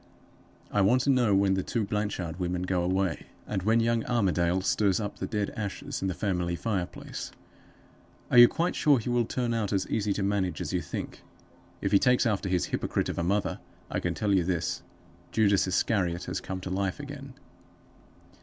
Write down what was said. I want to know when the two Blanchard women go away, and when young Armadale stirs up the dead ashes in the family fire place. Are you quite sure he will turn out as easy to manage as you think? If he takes after his hypocrite of a mother, I can tell you this: Judas Iscariot has come to life again.